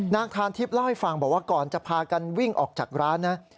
นางทานทิพย์เล่าให้ฟังบอกว่าก่อนจะพากันวิ่งออกจากร้านนะ